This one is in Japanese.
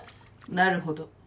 なるほど。